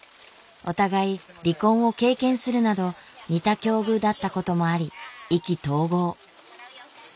お互い離婚を経験するなど似た境遇だったこともあり意気投合。